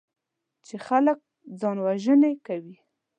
چې خلک ځانوژنې کوي.